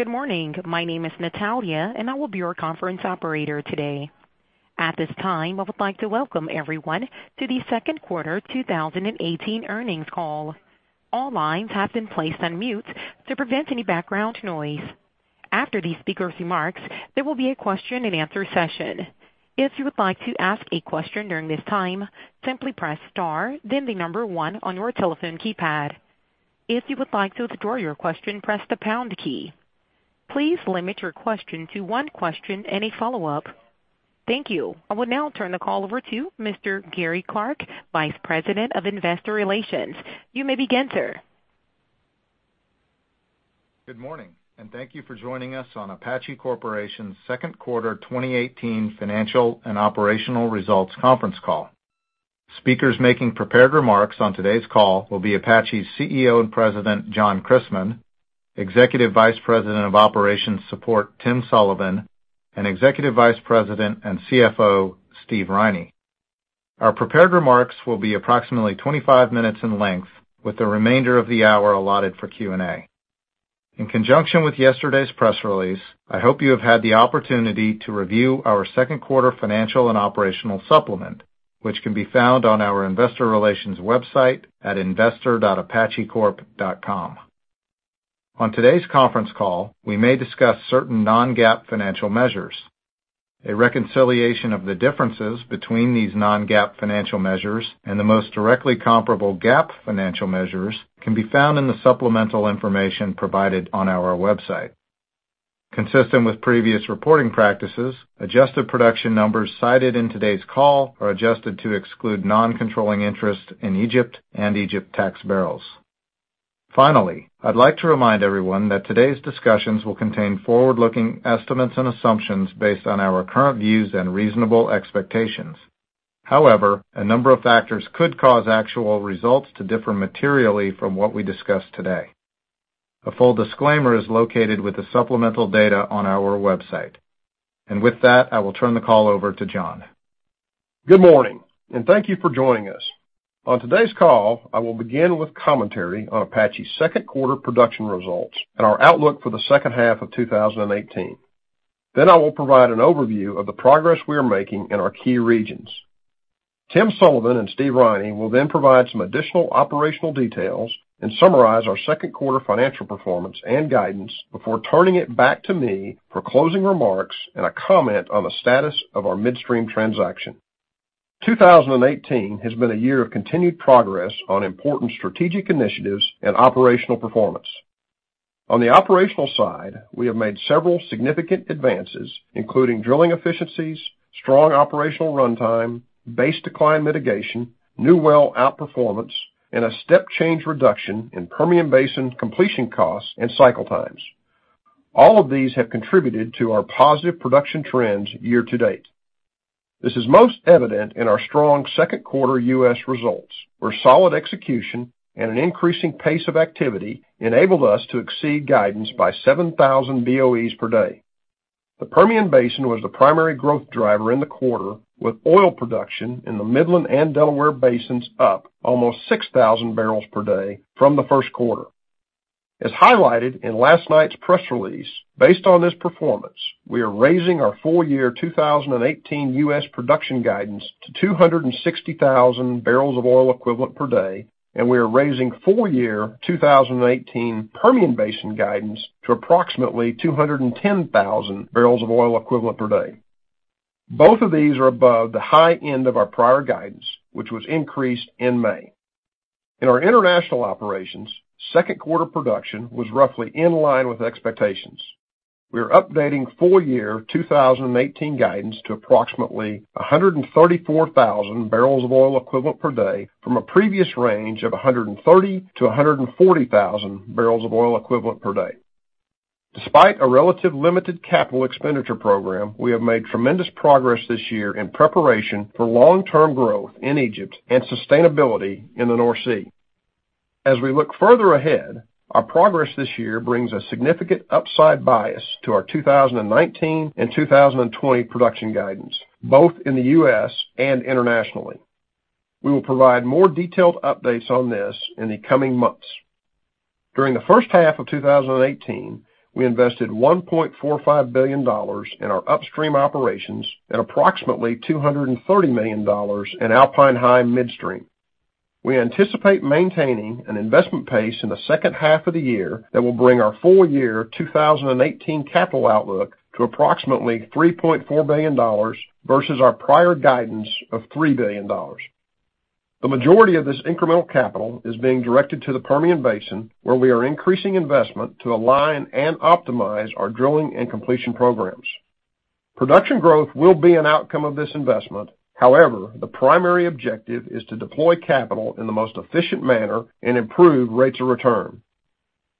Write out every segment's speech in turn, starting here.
Good morning. My name is Natalia, and I will be your conference operator today. At this time, I would like to welcome everyone to the second quarter 2018 earnings call. All lines have been placed on mute to prevent any background noise. After the speaker's remarks, there will be a question and answer session. If you would like to ask a question during this time, simply press star then the number 1 on your telephone keypad. If you would like to withdraw your question, press the pound key. Please limit your question to 1 question and a follow-up. Thank you. I will now turn the call over to Mr. Gary Clark, Vice President of Investor Relations. You may begin, sir. Good morning. Thank you for joining us on Apache Corporation's second quarter 2018 financial and operational results conference call. Speakers making prepared remarks on today's call will be Apache's Chief Executive Officer and President, John Christmann, Executive Vice President of Operations Support, Tim Sullivan, and Executive Vice President and Chief Financial Officer, Steve Riney. Our prepared remarks will be approximately 25 minutes in length, with the remainder of the hour allotted for Q&A. In conjunction with yesterday's press release, I hope you have had the opportunity to review our second quarter financial and operational supplement, which can be found on our investor relations website at investor.apachecorp.com. On today's conference call, we may discuss certain non-GAAP financial measures. A reconciliation of the differences between these non-GAAP financial measures and the most directly comparable GAAP financial measures can be found in the supplemental information provided on our website. Consistent with previous reporting practices, adjusted production numbers cited in today's call are adjusted to exclude non-controlling interest in Egypt and Egypt tax barrels. Finally, I'd like to remind everyone that today's discussions will contain forward-looking estimates and assumptions based on our current views and reasonable expectations. However, a number of factors could cause actual results to differ materially from what we discuss today. A full disclaimer is located with the supplemental data on our website. With that, I will turn the call over to John. Good morning. Thank you for joining us. On today's call, I will begin with commentary on Apache's second quarter production results and our outlook for the second half of 2018. I will provide an overview of the progress we are making in our key regions. Tim Sullivan and Steve Riney will then provide some additional operational details and summarize our second quarter financial performance and guidance before turning it back to me for closing remarks and a comment on the status of our midstream transaction. 2018 has been a year of continued progress on important strategic initiatives and operational performance. On the operational side, we have made several significant advances, including drilling efficiencies, strong operational runtime, base decline mitigation, new well outperformance, and a step change reduction in Permian Basin completion costs and cycle times. All of these have contributed to our positive production trends year to date. This is most evident in our strong second quarter U.S. results, where solid execution and an increasing pace of activity enabled us to exceed guidance by 7,000 BOEs per day. The Permian Basin was the primary growth driver in the quarter, with oil production in the Midland and Delaware Basins up almost 6,000 barrels per day from the first quarter. As highlighted in last night's press release, based on this performance, we are raising our full year 2018 U.S. production guidance to 260,000 barrels of oil equivalent per day, and we are raising full year 2018 Permian Basin guidance to approximately 210,000 barrels of oil equivalent per day. Both of these are above the high end of our prior guidance, which was increased in May. In our international operations, second quarter production was roughly in line with expectations. We are updating full year 2018 guidance to approximately 134,000 barrels of oil equivalent per day from a previous range of 130,000-140,000 barrels of oil equivalent per day. Despite a relatively limited capital expenditure program, we have made tremendous progress this year in preparation for long-term growth in Egypt and sustainability in the North Sea. As we look further ahead, our progress this year brings a significant upside bias to our 2019 and 2020 production guidance, both in the U.S. and internationally. We will provide more detailed updates on this in the coming months. During the first half of 2018, we invested $1.45 billion in our upstream operations and approximately $230 million in Alpine High midstream. We anticipate maintaining an investment pace in the second half of the year that will bring our full year 2018 capital outlook to approximately $3.4 billion versus our prior guidance of $3 billion. The majority of this incremental capital is being directed to the Permian Basin, where we are increasing investment to align and optimize our drilling and completion programs. Production growth will be an outcome of this investment. However, the primary objective is to deploy capital in the most efficient manner and improve rates of return.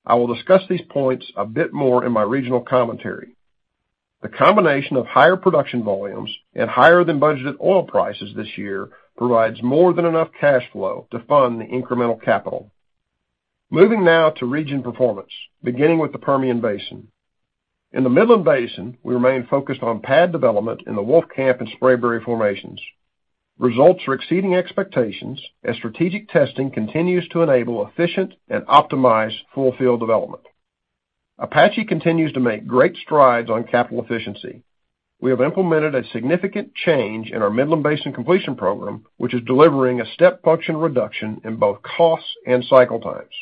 I will discuss these points a bit more in my regional commentary. The combination of higher production volumes and higher than budgeted oil prices this year provides more than enough cash flow to fund the incremental capital. Moving now to region performance, beginning with the Permian Basin. In the Midland Basin, we remain focused on pad development in the Wolfcamp and Spraberry formations. Results are exceeding expectations as strategic testing continues to enable efficient and optimized full field development. Apache continues to make great strides on capital efficiency. We have implemented a significant change in our Midland Basin completion program, which is delivering a step function reduction in both costs and cycle times.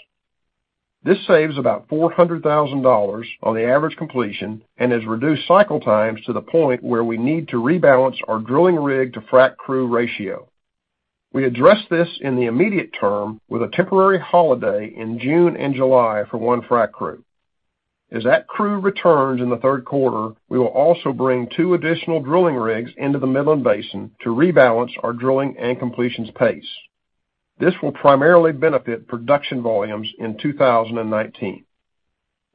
This saves about $400,000 on the average completion and has reduced cycle times to the point where we need to rebalance our drilling rig to frac crew ratio. We address this in the immediate term with a temporary holiday in June and July for one frac crew. As that crew returns in the third quarter, we will also bring two additional drilling rigs into the Midland Basin to rebalance our drilling and completions pace. This will primarily benefit production volumes in 2019.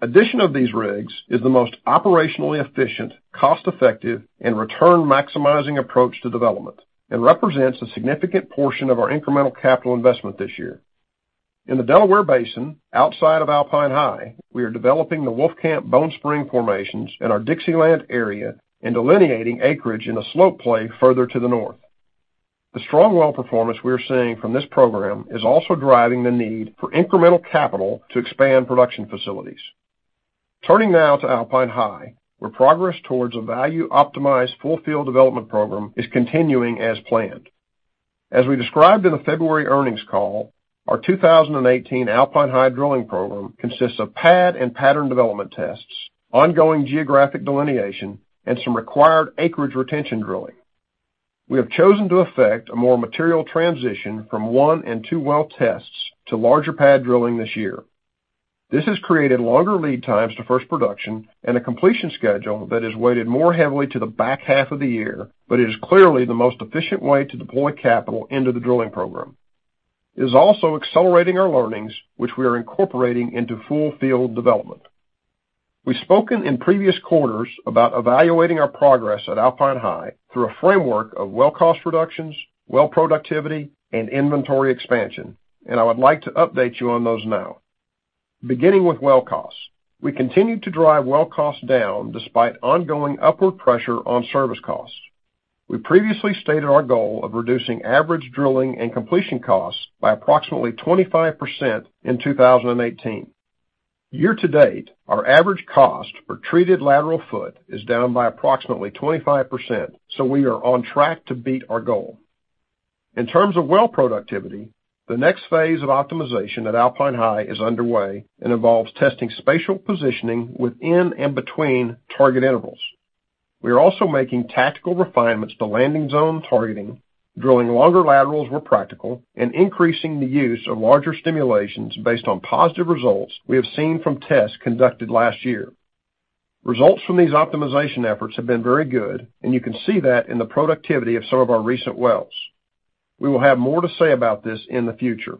Addition of these rigs is the most operationally efficient, cost-effective and return maximizing approach to development and represents a significant portion of our incremental capital investment this year. In the Delaware Basin, outside of Alpine High, we are developing the Wolfcamp Bone Spring formations in our Dixieland area and delineating acreage in a slope play further to the north. The strong well performance we are seeing from this program is also driving the need for incremental capital to expand production facilities. Turning now to Alpine High, where progress towards a value optimized full field development program is continuing as planned. As we described in the February earnings call, our 2018 Alpine High drilling program consists of pad and pattern development tests, ongoing geographic delineation, and some required acreage retention drilling. We have chosen to effect a more material transition from one and two well tests to larger pad drilling this year. This has created longer lead times to first production and a completion schedule that is weighted more heavily to the back half of the year, it is clearly the most efficient way to deploy capital into the drilling program. It is also accelerating our learnings, which we are incorporating into full field development. We've spoken in previous quarters about evaluating our progress at Alpine High through a framework of well cost reductions, well productivity, and inventory expansion. I would like to update you on those now. Beginning with well costs, we continue to drive well costs down despite ongoing upward pressure on service costs. We previously stated our goal of reducing average drilling and completion costs by approximately 25% in 2018. Year to date, our average cost for treated lateral foot is down by approximately 25%, we are on track to beat our goal. In terms of well productivity, the next phase of optimization at Alpine High is underway and involves testing spatial positioning within and between target intervals. We are also making tactical refinements to landing zone targeting, drilling longer laterals where practical, and increasing the use of larger stimulations based on positive results we have seen from tests conducted last year. Results from these optimization efforts have been very good. You can see that in the productivity of some of our recent wells. We will have more to say about this in the future.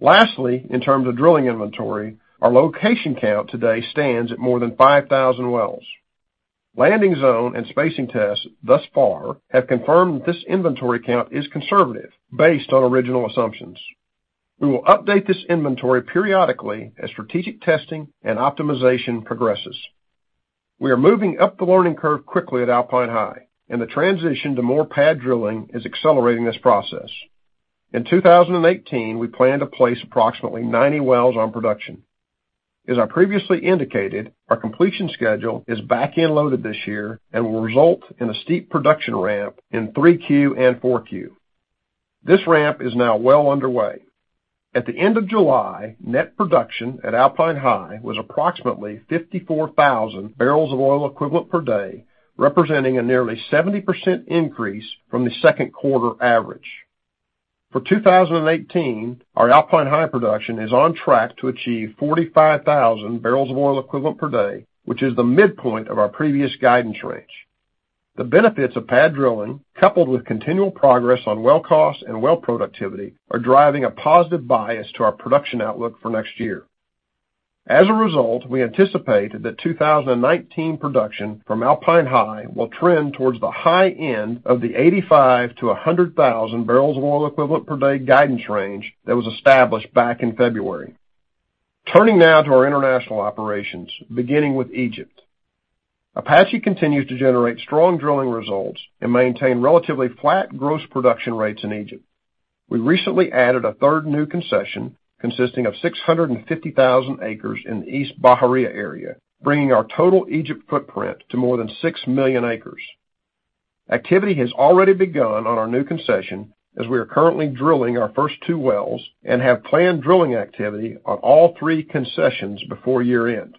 Lastly, in terms of drilling inventory, our location count today stands at more than 5,000 wells. Landing zone and spacing tests thus far have confirmed this inventory count is conservative based on original assumptions. We will update this inventory periodically as strategic testing and optimization progresses. We are moving up the learning curve quickly at Alpine High, the transition to more pad drilling is accelerating this process. In 2018, we plan to place approximately 90 wells on production. As I previously indicated, our completion schedule is back-end loaded this year and will result in a steep production ramp in 3Q and 4Q. This ramp is now well underway. At the end of July, net production at Alpine High was approximately 54,000 barrels of oil equivalent per day, representing a nearly 70% increase from the second quarter average. For 2018, our Alpine High production is on track to achieve 45,000 barrels of oil equivalent per day, which is the midpoint of our previous guidance range. The benefits of pad drilling, coupled with continual progress on well cost and well productivity, are driving a positive bias to our production outlook for next year. As a result, we anticipate that 2019 production from Alpine High will trend towards the high end of the 85,000 to 100,000 barrels of oil equivalent per day guidance range that was established back in February. Turning now to our international operations, beginning with Egypt. Apache Corporation continues to generate strong drilling results and maintain relatively flat gross production rates in Egypt. We recently added a third new concession consisting of 650,000 acres in the East Bahariya area, bringing our total Egypt footprint to more than 6 million acres. Activity has already begun on our new concession, as we are currently drilling our first two wells and have planned drilling activity on all three concessions before year-end.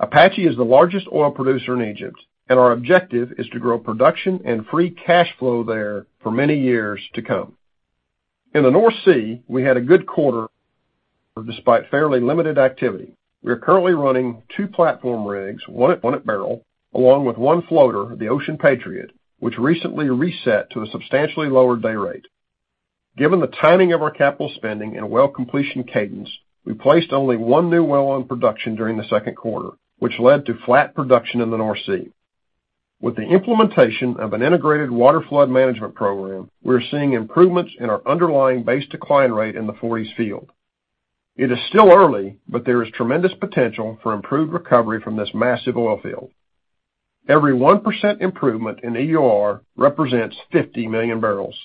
Apache Corporation is the largest oil producer in Egypt, and our objective is to grow production and free cash flow there for many years to come. In the North Sea, we had a good quarter despite fairly limited activity. We are currently running two platform rigs, one at Beryl, along with one floater, the Ocean Patriot, which recently reset to a substantially lower day rate. Given the timing of our capital spending and well completion cadence, we placed only one new well on production during the second quarter, which led to flat production in the North Sea. With the implementation of an integrated water flood management program, we're seeing improvements in our underlying base decline rate in the Forties Field. It is still early, but there is tremendous potential for improved recovery from this massive oil field. Every 1% improvement in EUR represents 50 million barrels.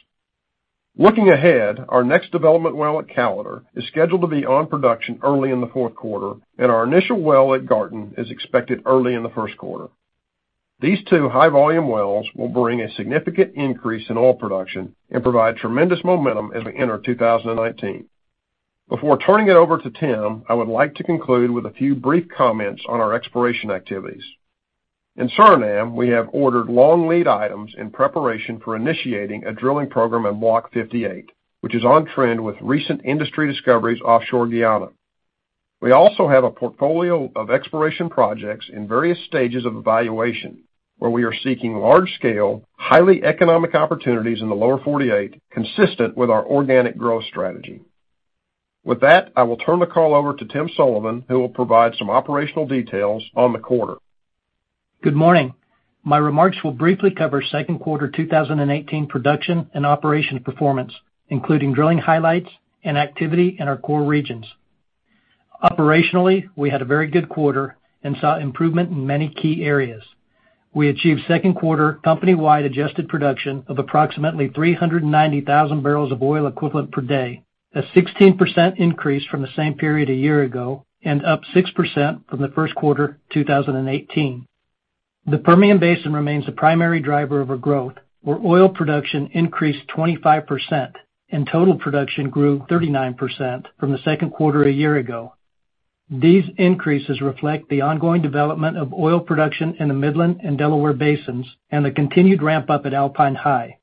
Looking ahead, our next development well at Callater is scheduled to be on production early in the fourth quarter, and our initial well at Garten is expected early in the first quarter. These two high-volume wells will bring a significant increase in oil production and provide tremendous momentum as we enter 2019. Before turning it over to Tim, I would like to conclude with a few brief comments on our exploration activities. In Suriname, we have ordered long lead items in preparation for initiating a drilling program in Block 58, which is on trend with recent industry discoveries offshore Guyana. We also have a portfolio of exploration projects in various stages of evaluation, where we are seeking large-scale, highly economic opportunities in the Lower 48, consistent with our organic growth strategy. With that, I will turn the call over to Tim Sullivan, who will provide some operational details on the quarter. Good morning. My remarks will briefly cover second quarter 2018 production and operation performance, including drilling highlights and activity in our core regions. Operationally, we had a very good quarter and saw improvement in many key areas. We achieved second quarter company-wide adjusted production of approximately 390,000 barrels of oil equivalent per day, a 16% increase from the same period a year ago, and up 6% from the first quarter 2018. The Permian Basin remains the primary driver of our growth, where oil production increased 25% and total production grew 39% from the second quarter a year ago. These increases reflect the ongoing development of oil production in the Midland and Delaware Basins and the continued ramp-up at Alpine High.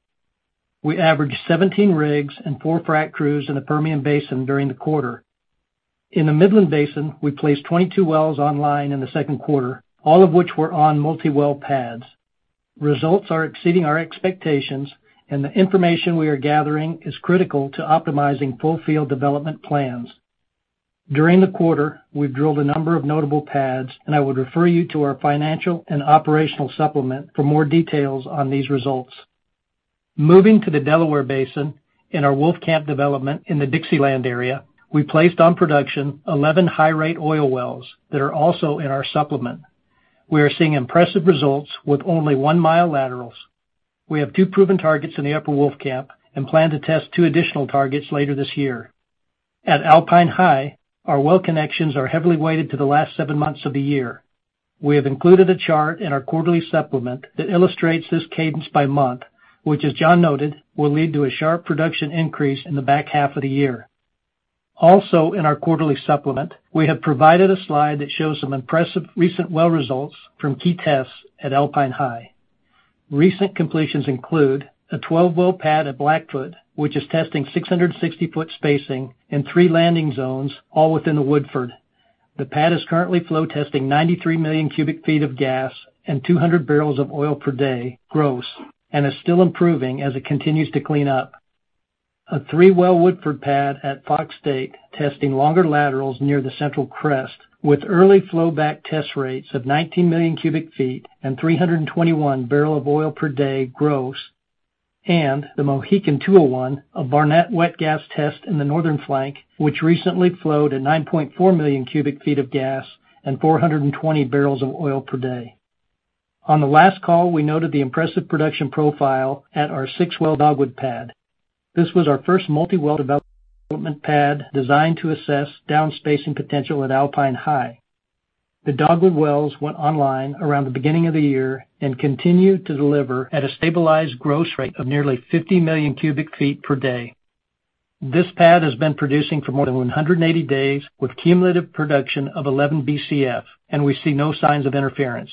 We averaged 17 rigs and four frack crews in the Permian Basin during the quarter. In the Midland Basin, we placed 22 wells online in the second quarter, all of which were on multi-well pads. Results are exceeding our expectations, and the information we are gathering is critical to optimizing full field development plans. During the quarter, we've drilled a number of notable pads, and I would refer you to our financial and operational supplement for more details on these results. Moving to the Delaware Basin in our Wolfcamp development in the Dixieland area, we placed on production 11 high-rate oil wells that are also in our supplement. We are seeing impressive results with only one-mile laterals. We have two proven targets in the Upper Wolfcamp and plan to test two additional targets later this year. At Alpine High, our well connections are heavily weighted to the last seven months of the year. We have included a chart in our quarterly supplement that illustrates this cadence by month, which, as John noted, will lead to a sharp production increase in the back half of the year. Also, in our quarterly supplement, we have provided a slide that shows some impressive recent well results from key tests at Alpine High. Recent completions include a 12-well pad at Blackfoot, which is testing 660-foot spacing and three landing zones, all within the Woodford. The pad is currently flow testing 93 million cubic feet of gas and 200 barrels of oil per day gross and is still improving as it continues to clean up. A three-well Woodford pad at Fox Stake, testing longer laterals near the Central Crest with early flowback test rates of 19 million cubic feet and 321 barrel of oil per day gross. The Mohican 201, a Barnett wet gas test in the Northern Flank, which recently flowed at 9.4 million cubic feet of gas and 420 barrels of oil per day. On the last call, we noted the impressive production profile at our six-well Dogwood pad. This was our first multi-well development pad designed to assess down spacing potential at Alpine High. The Dogwood wells went online around the beginning of the year and continue to deliver at a stabilized gross rate of nearly 50 million cubic feet per day. This pad has been producing for more than 180 days with cumulative production of 11 Bcf, and we see no signs of interference.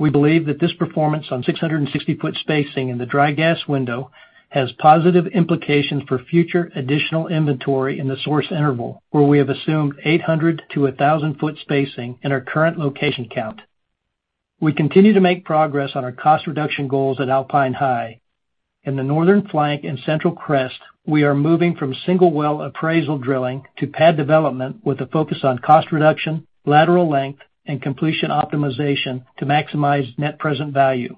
We believe that this performance on 660-foot spacing in the dry gas window has positive implications for future additional inventory in the source interval, where we have assumed 800 to 1,000 foot spacing in our current location count. We continue to make progress on our cost reduction goals at Alpine High. In the Northern Flank and Central Crest, we are moving from single well appraisal drilling to pad development with a focus on cost reduction, lateral length, and completion optimization to maximize net present value.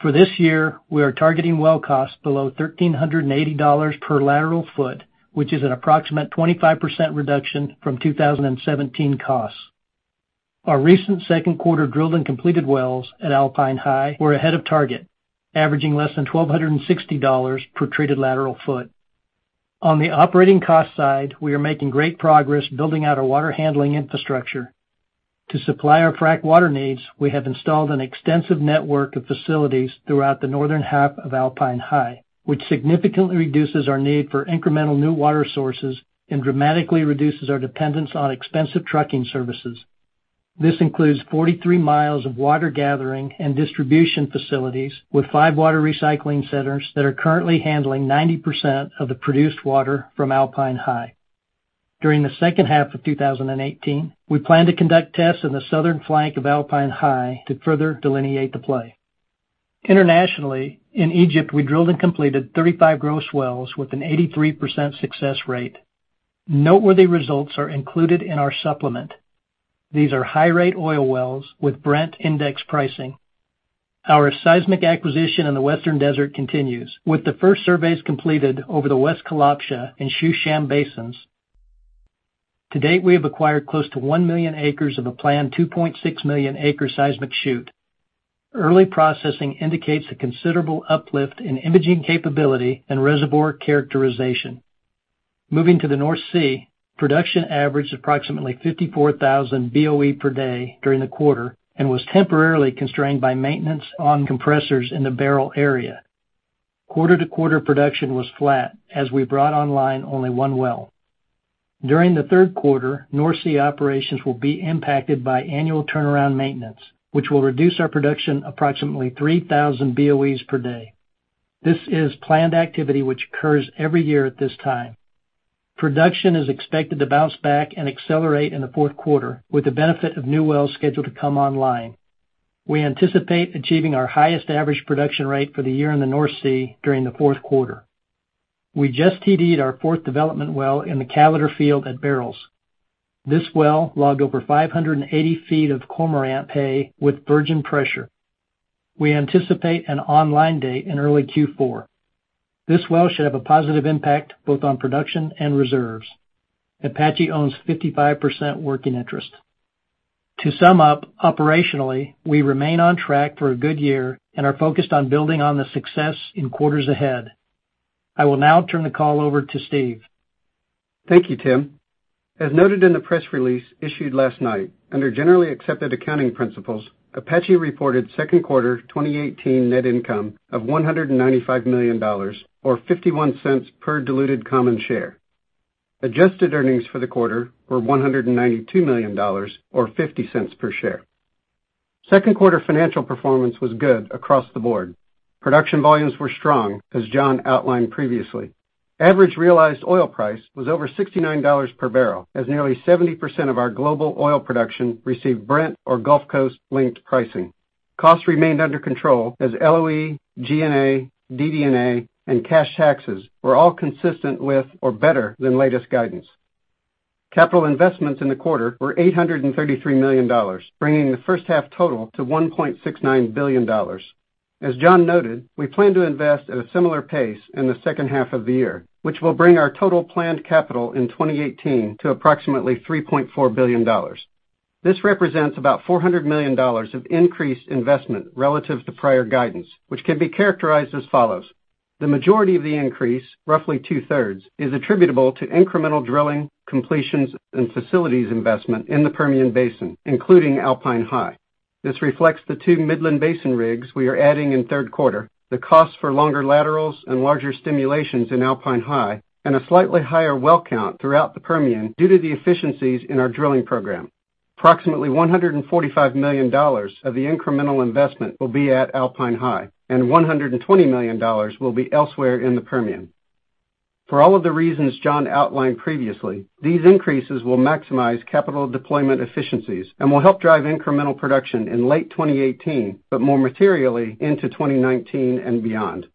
For this year, we are targeting well costs below $1,380 per lateral foot, which is an approximate 25% reduction from 2017 costs. Our recent second quarter drilled and completed wells at Alpine High were ahead of target, averaging less than $1,260 per treated lateral foot. On the operating cost side, we are making great progress building out our water handling infrastructure. To supply our frack water needs, we have installed an extensive network of facilities throughout the northern half of Alpine High, which significantly reduces our need for incremental new water sources and dramatically reduces our dependence on expensive trucking services. This includes 43 miles of water gathering and distribution facilities with five water recycling centers that are currently handling 90% of the produced water from Alpine High. During the second half of 2018, we plan to conduct tests in the Southern Flank of Alpine High to further delineate the play. Internationally, in Egypt, we drilled and completed 35 gross wells with an 83% success rate. Noteworthy results are included in our supplement. These are high-rate oil wells with Brent-index pricing. Our seismic acquisition in the Western Desert continues, with the first surveys completed over the West Kalabsha and Shushan Basin. To date, we have acquired close to 1 million acres of a planned 2.6 million acre seismic shoot. Early processing indicates a considerable uplift in imaging capability and reservoir characterization. Moving to the North Sea, production averaged approximately 54,000 BOE per day during the quarter and was temporarily constrained by maintenance on compressors in the Beryl area. Quarter-to-quarter production was flat as we brought online only one well. During the third quarter, North Sea operations will be impacted by annual turnaround maintenance, which will reduce our production approximately 3,000 BOEs per day. This is planned activity which occurs every year at this time. Production is expected to bounce back and accelerate in the fourth quarter, with the benefit of new wells scheduled to come online. We anticipate achieving our highest average production rate for the year in the North Sea during the fourth quarter. We just TD-ed our fourth development well in the Callater field at Beryl. This well logged over 580 feet of Cormorant pay with virgin pressure. We anticipate an online date in early Q4. This well should have a positive impact both on production and reserves. Apache owns 55% working interest. To sum up, operationally, we remain on track for a good year and are focused on building on the success in quarters ahead. I will now turn the call over to Steve. Thank you, Tim. As noted in the press release issued last night, under Generally Accepted Accounting Principles, Apache reported second quarter 2018 net income of $195 million or $0.51 per diluted common share. Adjusted earnings for the quarter were $192 million or $0.50 per share. Second quarter financial performance was good across the board. Production volumes were strong, as John outlined previously. Average realized oil price was over $69 per barrel, as nearly 70% of our global oil production received Brent or Gulf Coast-linked pricing. Costs remained under control as LOE, G&A, DD&A, and cash taxes were all consistent with or better than latest guidance. Capital investments in the quarter were $833 million, bringing the first-half total to $1.69 billion. As John noted, we plan to invest at a similar pace in the second half of the year, which will bring our total planned capital in 2018 to approximately $3.4 billion. This represents about $400 million of increased investment relative to prior guidance, which can be characterized as follows. The majority of the increase, roughly two-thirds, is attributable to incremental drilling completions and facilities investment in the Permian Basin, including Alpine High. This reflects the two Midland Basin rigs we are adding in third quarter, the cost for longer laterals and larger stimulations in Alpine High, and a slightly higher well count throughout the Permian due to the efficiencies in our drilling program. Approximately $145 million of the incremental investment will be at Alpine High, and $120 million will be elsewhere in the Permian. For all of the reasons John outlined previously, these increases will maximize capital deployment efficiencies and will help drive incremental production in late 2018, but more materially into 2019 and beyond.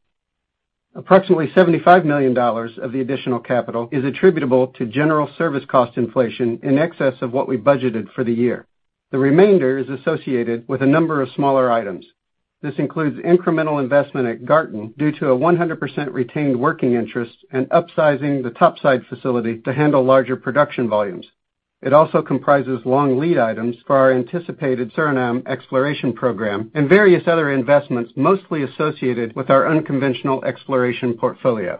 Approximately $75 million of the additional capital is attributable to general service cost inflation in excess of what we budgeted for the year. The remainder is associated with a number of smaller items. This includes incremental investment at Garten due to a 100% retained working interest and upsizing the topside facility to handle larger production volumes. It also comprises long lead items for our anticipated Suriname exploration program and various other investments, mostly associated with our unconventional exploration portfolio.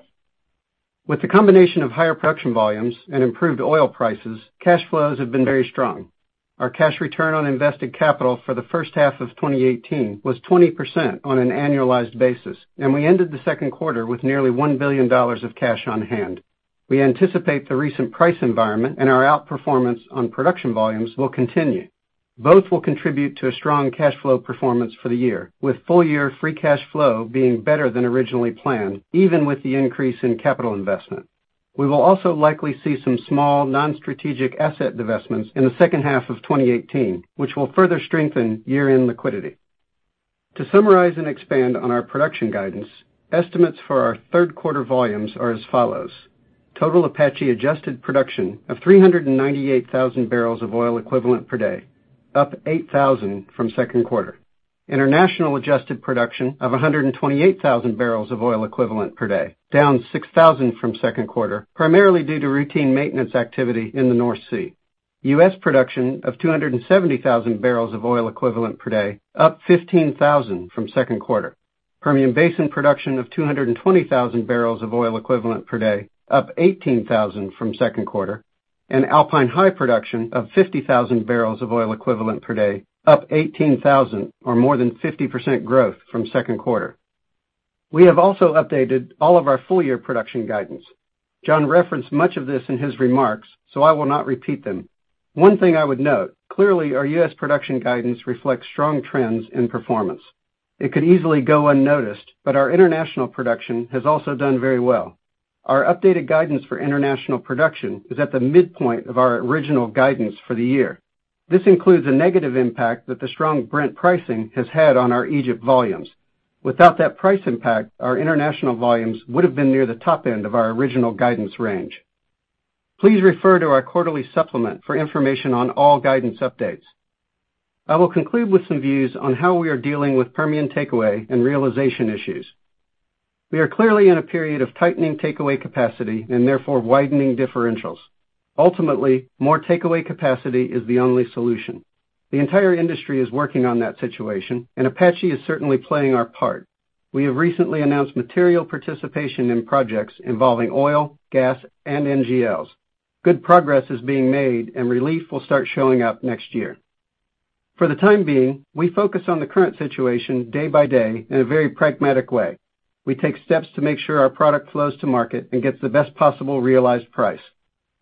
With the combination of higher production volumes and improved oil prices, cash flows have been very strong. Our cash return on invested capital for the first half of 2018 was 20% on an annualized basis, and we ended the second quarter with nearly $1 billion of cash on hand. We anticipate the recent price environment and our outperformance on production volumes will continue. Both will contribute to a strong cash flow performance for the year, with full-year free cash flow being better than originally planned, even with the increase in capital investment. We will also likely see some small non-strategic asset divestments in the second half of 2018, which will further strengthen year-end liquidity. To summarize and expand on our production guidance, estimates for our third quarter volumes are as follows. Total Apache adjusted production of 398,000 barrels of oil equivalent per day, up 8,000 from second quarter. International adjusted production of 128,000 barrels of oil equivalent per day, down 6,000 from second quarter, primarily due to routine maintenance activity in the North Sea. U.S. production of 270,000 barrels of oil equivalent per day, up 15,000 from second quarter. Permian Basin production of 220,000 barrels of oil equivalent per day, up 18,000 from second quarter, and Alpine High production of 50,000 barrels of oil equivalent per day up 18,000 or more than 50% growth from second quarter. We have also updated all of our full-year production guidance. John referenced much of this in his remarks. I will not repeat them. One thing I would note, clearly our U.S. production guidance reflects strong trends in performance. It could easily go unnoticed. Our international production has also done very well. Our updated guidance for international production is at the midpoint of our original guidance for the year. This includes a negative impact that the strong Brent pricing has had on our Egypt volumes. Without that price impact, our international volumes would have been near the top end of our original guidance range. Please refer to our quarterly supplement for information on all guidance updates. I will conclude with some views on how we are dealing with Permian takeaway and realization issues. We are clearly in a period of tightening takeaway capacity, therefore widening differentials. Ultimately, more takeaway capacity is the only solution. The entire industry is working on that situation. Apache is certainly playing our part. We have recently announced material participation in projects involving oil, gas, and NGLs. Good progress is being made. Relief will start showing up next year. For the time being, we focus on the current situation day by day in a very pragmatic way. We take steps to make sure our product flows to market and gets the best possible realized price.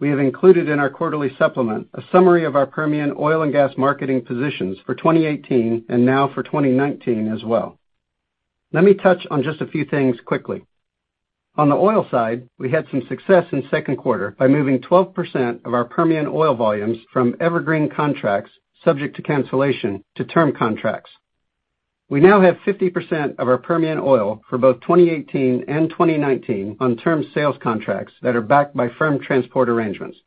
We have included in our quarterly supplement a summary of our Permian oil and gas marketing positions for 2018, now for 2019 as well. Let me touch on just a few things quickly. On the oil side, we had some success in second quarter by moving 12% of our Permian oil volumes from evergreen contracts subject to cancellation to term contracts. We now have 50% of our Permian oil for both 2018 and 2019 on term sales contracts that are backed by firm transport arrangements.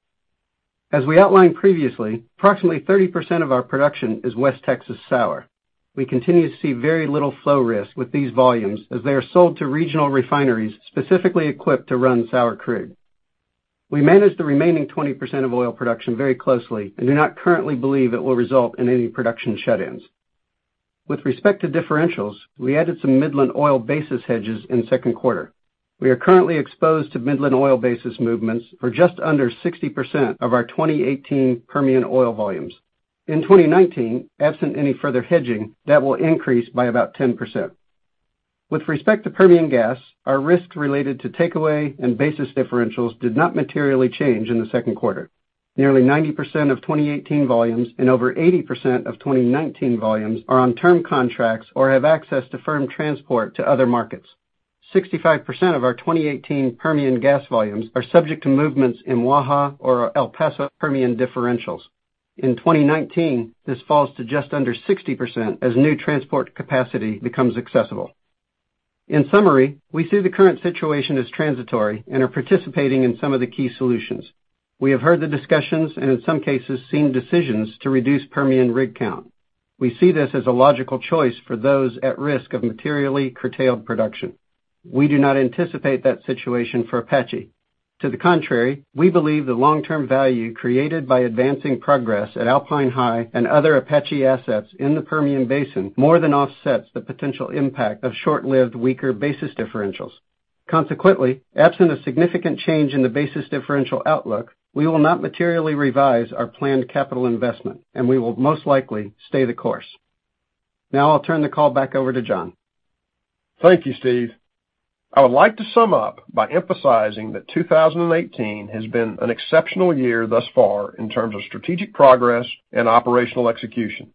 As we outlined previously, approximately 30% of our production is West Texas sour. We continue to see very little flow risk with these volumes, as they are sold to regional refineries specifically equipped to run sour crude. We manage the remaining 20% of oil production very closely and do not currently believe it will result in any production shutdowns. With respect to differentials, we added some Midland oil basis hedges in the second quarter. We are currently exposed to Midland oil basis movements for just under 60% of our 2018 Permian oil volumes. In 2019, absent any further hedging, that will increase by about 10%. With respect to Permian gas, our risk related to takeaway and basis differentials did not materially change in the second quarter. Nearly 90% of 2018 volumes and over 80% of 2019 volumes are on term contracts or have access to firm transport to other markets. 65% of our 2018 Permian gas volumes are subject to movements in Waha or El Paso Permian differentials. In 2019, this falls to just under 60% as new transport capacity becomes accessible. In summary, we see the current situation as transitory and are participating in some of the key solutions. We have heard the discussions and, in some cases, seen decisions to reduce Permian rig count. We see this as a logical choice for those at risk of materially curtailed production. We do not anticipate that situation for Apache. To the contrary, we believe the long-term value created by advancing progress at Alpine High and other Apache assets in the Permian Basin more than offsets the potential impact of short-lived, weaker basis differentials. Consequently, absent a significant change in the basis differential outlook, we will not materially revise our planned capital investment, and we will most likely stay the course. Now I'll turn the call back over to John. Thank you, Steve. I would like to sum up by emphasizing that 2018 has been an exceptional year thus far in terms of strategic progress and operational execution.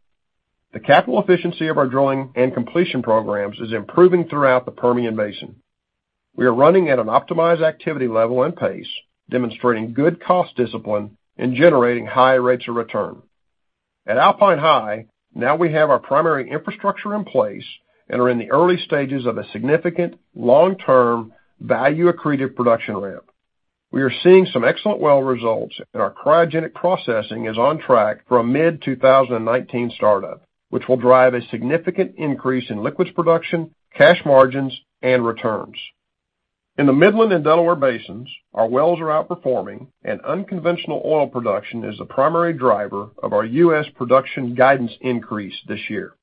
The capital efficiency of our drilling and completion programs is improving throughout the Permian Basin. We are running at an optimized activity level and pace, demonstrating good cost discipline and generating high rates of return. At Alpine High, now we have our primary infrastructure in place and are in the early stages of a significant long-term value-accretive production ramp. We are seeing some excellent well results, and our cryogenic processing is on track for a mid-2019 startup, which will drive a significant increase in liquids production, cash margins, and returns. In the Midland and Delaware Basins, our wells are outperforming, and unconventional oil production is the primary driver of our U.S. production guidance increase this year.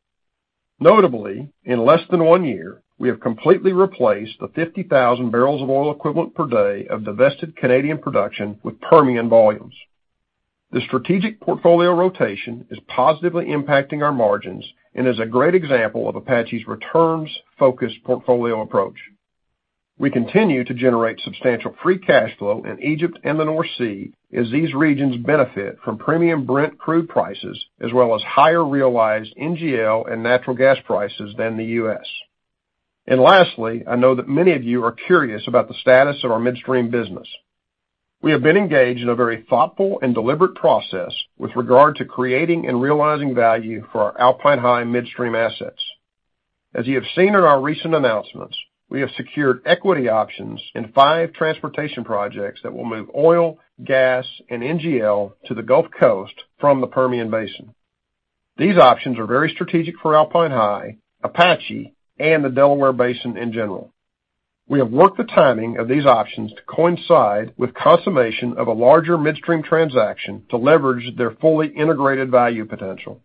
Notably, in less than one year, we have completely replaced the 50,000 barrels of oil equivalent per day of divested Canadian production with Permian volumes. The strategic portfolio rotation is positively impacting our margins and is a great example of Apache's returns-focused portfolio approach. We continue to generate substantial free cash flow in Egypt and the North Sea as these regions benefit from premium Brent crude prices, as well as higher realized NGL and natural gas prices than the U.S. Lastly, I know that many of you are curious about the status of our midstream business. We have been engaged in a very thoughtful and deliberate process with regard to creating and realizing value for our Alpine High midstream assets. As you have seen in our recent announcements, we have secured equity options in five transportation projects that will move oil, gas, and NGL to the Gulf Coast from the Permian Basin. These options are very strategic for Alpine High, Apache, and the Delaware Basin in general. We have worked the timing of these options to coincide with consummation of a larger midstream transaction to leverage their fully integrated value potential.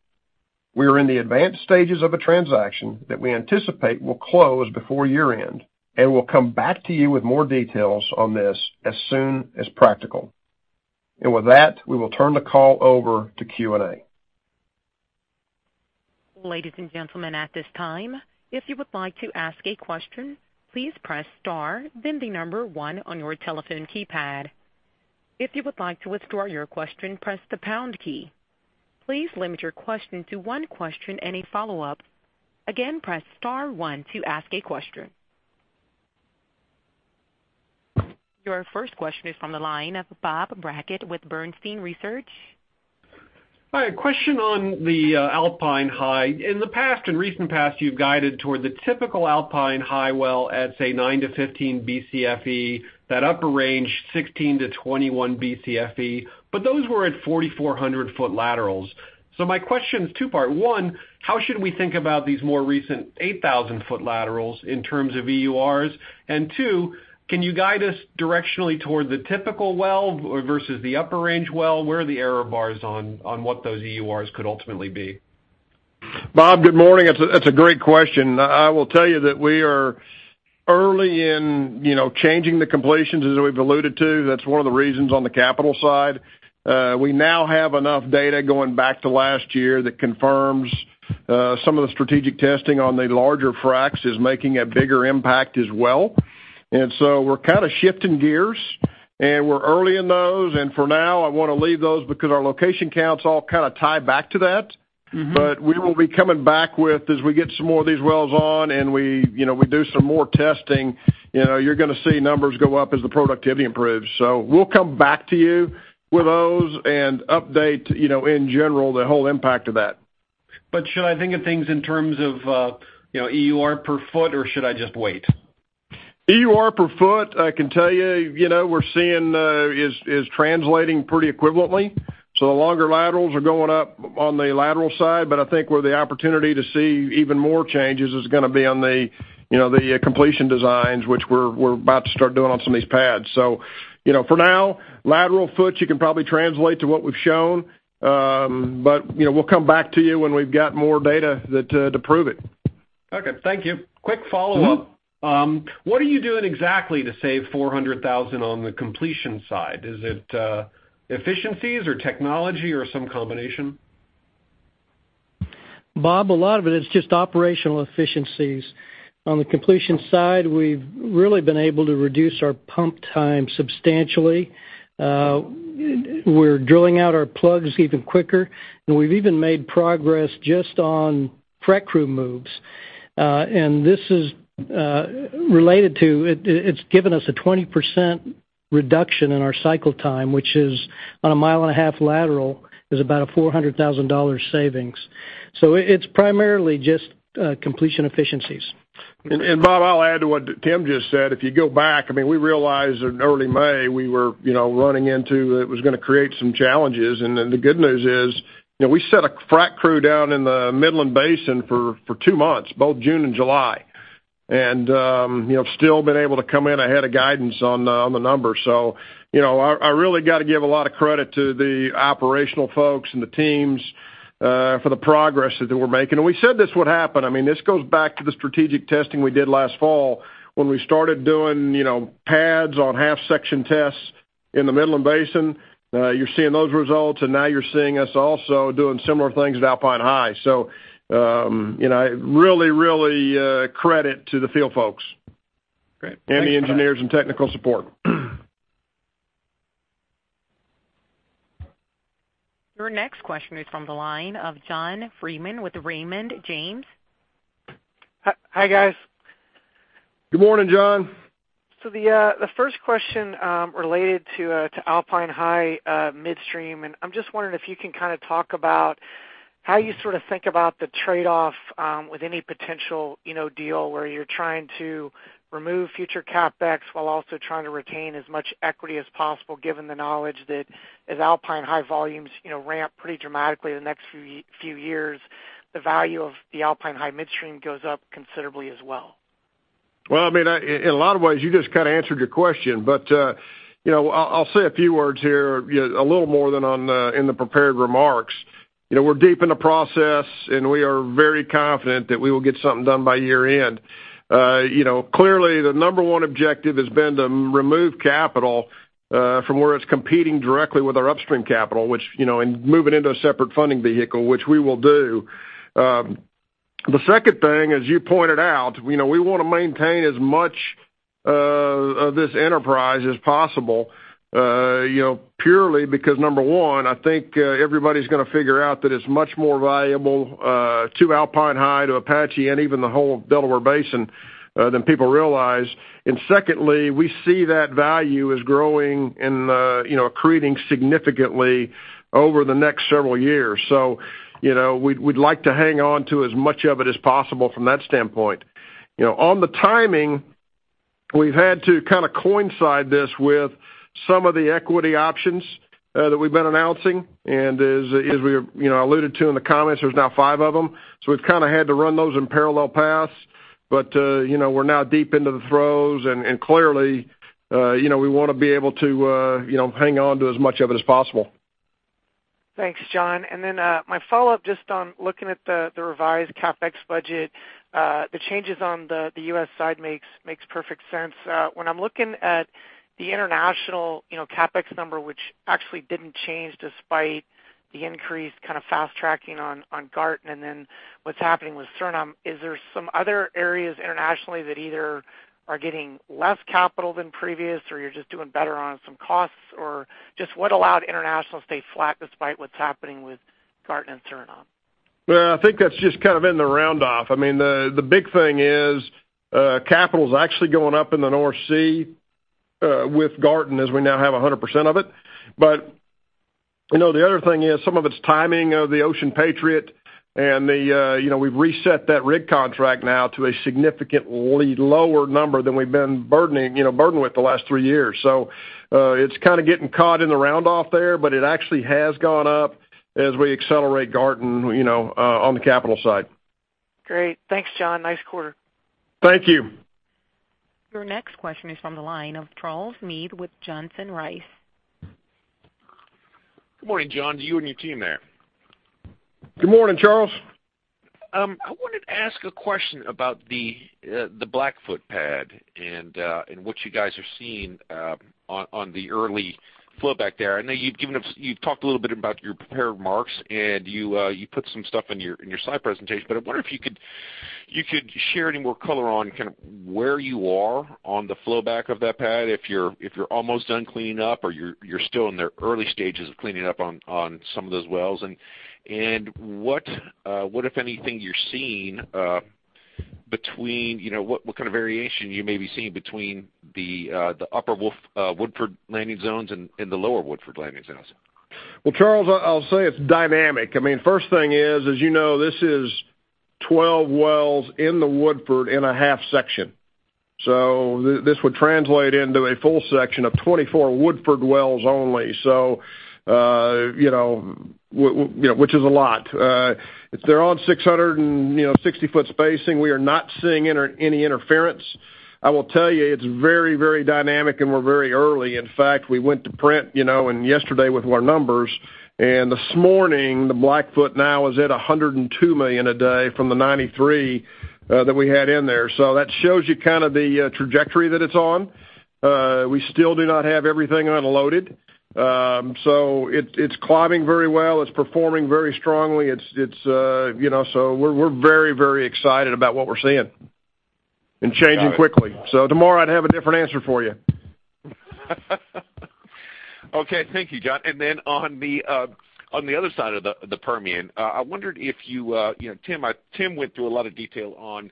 We are in the advanced stages of a transaction that we anticipate will close before year-end, and we'll come back to you with more details on this as soon as practical. With that, we will turn the call over to Q&A. Ladies and gentlemen, at this time, if you would like to ask a question, please press star then the number one on your telephone keypad. If you would like to withdraw your question, press the pound key. Please limit your question to one question and a follow-up. Again, press star one to ask a question. Your first question is from the line of Bob Brackett with Bernstein Research. Hi. A question on the Alpine High. In the past, in recent past, you've guided toward the typical Alpine High well at, say, nine to 15 Bcfe, that upper range 16-21 Bcfe, but those were at 4,400-foot laterals. My question is two-part. One, how should we think about these more recent 8,000-foot laterals in terms of EURs? Two, can you guide us directionally toward the typical well versus the upper range well? Where are the error bars on what those EURs could ultimately be? Bob, good morning. That's a great question. I will tell you that we are early in changing the completions, as we've alluded to. That's one of the reasons on the capital side. We now have enough data going back to last year that confirms some of the strategic testing on the larger fracs is making a bigger impact as well. We're kind of shifting gears, and we're early in those, and for now, I want to leave those because our location counts all kind of tie back to that. We will be coming back with, as we get some more of these wells on and we do some more testing, you're going to see numbers go up as the productivity improves. We'll come back to you with those and update, in general, the whole impact of that. Should I think of things in terms of EUR per foot, or should I just wait? EUR per foot, I can tell you, we're seeing is translating pretty equivalently. The longer laterals are going up on the lateral side, but I think where the opportunity to see even more changes is going to be on the completion designs, which we're about to start doing on some of these pads. For now, lateral foot, you can probably translate to what we've shown. We'll come back to you when we've got more data to prove it. Okay. Thank you. Quick follow-up. What are you doing exactly to save $400,000 on the completion side? Is it efficiencies or technology or some combination? Bob, a lot of it is just operational efficiencies. On the completion side, we've really been able to reduce our pump time substantially. We're drilling out our plugs even quicker, and we've even made progress just on frac crew moves. It's given us a 20% reduction in our cycle time, which is on a mile-and-a-half lateral, is about a $400,000 savings. It's primarily just completion efficiencies. Bob, I'll add to what Tim just said. If you go back, it was going to create some challenges. The good news is, we set a frac crew down in the Midland Basin for two months, both June and July, and still been able to come in ahead of guidance on the numbers. I really got to give a lot of credit to the operational folks and the teams for the progress that we're making. We said this would happen. This goes back to the strategic testing we did last fall when we started doing pads on half-section tests in the Midland Basin. You're seeing those results, and now you're seeing us also doing similar things at Alpine High. Really credit to the field folks. Great. The engineers and technical support. Your next question is from the line of John Freeman with Raymond James. Hi, guys. Good morning, John. The first question related to Alpine High midstream, and I'm just wondering if you can talk about how you sort of think about the trade-off with any potential deal where you're trying to remove future CapEx while also trying to retain as much equity as possible, given the knowledge that as Alpine High volumes ramp pretty dramatically in the next few years, the value of the Alpine High midstream goes up considerably as well. In a lot of ways, you just kind of answered your question. I'll say a few words here, a little more than in the prepared remarks. We're deep in the process, and we are very confident that we will get something done by year-end. Clearly, the number one objective has been to remove capital from where it's competing directly with our upstream capital, and move it into a separate funding vehicle, which we will do. The second thing, as you pointed out, we want to maintain as much of this enterprise as possible, purely because, number one, I think everybody's going to figure out that it's much more valuable to Alpine High, to Apache, and even the whole Delaware Basin than people realize. Secondly, we see that value as growing and accreting significantly over the next several years. We'd like to hang on to as much of it as possible from that standpoint. On the timing, we've had to kind of coincide this with some of the equity options that we've been announcing, and as we alluded to in the comments, there's now five of them. We've kind of had to run those in parallel paths. We're now deep into the throes and clearly we want to be able to hang on to as much of it as possible. Thanks, John. My follow-up just on looking at the revised CapEx budget. The changes on the U.S. side makes perfect sense. When I'm looking at the international CapEx number, which actually didn't change despite the increased kind of fast-tracking on Garten and then what's happening with Suriname, is there some other areas internationally that either are getting less capital than previous, or you're just doing better on some costs? Just what allowed international to stay flat despite what's happening with Garten and Suriname? I think that's just kind of in the round off. The big thing is, capital's actually going up in the North Sea with Garten as we now have 100% of it. The other thing is some of it's timing of the Ocean Patriot and we've reset that rig contract now to a significantly lower number than we've been burdened with the last three years. It's kind of getting caught in the round off there, but it actually has gone up as we accelerate Garten on the capital side. Great. Thanks, John. Nice quarter. Thank you. Your next question is from the line of Charles Meade with Johnson Rice. Good morning, John, to you and your team there. Good morning, Charles. I wanted to ask a question about the Blackfoot pad and what you guys are seeing on the early flowback there. I know you've talked a little about your prepared remarks, and you put some stuff in your slide presentation. I wonder if you could share any more color on where you are on the flowback of that pad, if you're almost done cleaning up or you're still in the early stages of cleaning up on some of those wells. What, if anything, you're seeing between what kind of variation you may be seeing between the Upper Woodford landing zones and the Lower Woodford landing zones? Well, Charles, I'll say it's dynamic. First thing is, as you know, this is 12 wells in the Woodford in a half section. This would translate into a full section of 24 Woodford wells only, which is a lot. They're on 660-foot spacing. We are not seeing any interference. I will tell you, it's very dynamic and we're very early. In fact, we went to print and yesterday with our numbers, and this morning, the Blackfoot now is at 102 million a day from the 93 that we had in there. That shows you the trajectory that it's on. We still do not have everything unloaded. It's climbing very well. It's performing very strongly. We're very excited about what we're seeing. Changing quickly. Tomorrow I'd have a different answer for you. Okay. Thank you, John. Then on the other side of the Permian, I wondered if Tim went through a lot of detail on